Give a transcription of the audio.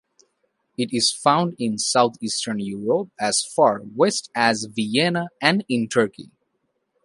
It is found in southeastern Europe as far west as Vienna and in Turkey.